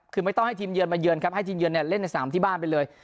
คือไม่ต้องให้ทีมเยือนมาเยือนครับให้ทีมเยือนเล่นในสนามที่บ้านไปเลย